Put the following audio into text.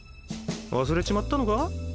忘れちまったのか？